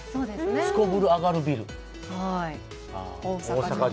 「すこぶるアガるビル」。